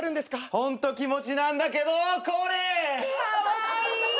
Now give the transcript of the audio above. ホント気持ちなんだけどこれ！カワイイ！